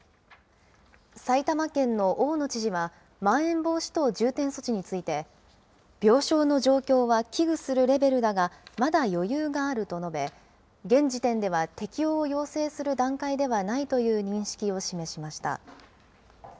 埼玉県の大野知事は、まん延防止等重点措置について、病床の状況は危惧するレベルだが、まだ余裕があると述べ、現時点では適用を要請する段階ではないという認識を示しました。